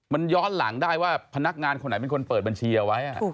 มันย้อนหลังได้ว่าพนักงานคนไหนเป็นคนเปิดบัญชีเอาไว้